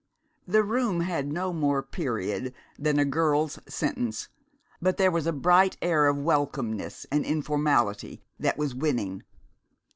The room had no more period than a girl's sentence, but there was a bright air of welcomeness and informality that was winning.